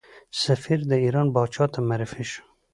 سفیر د ایران پاچا ته معرفي شو.